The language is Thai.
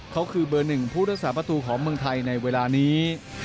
เขาคือเบอร์๑ผู้รักษาประตูของเมืองไทยในเวลานี้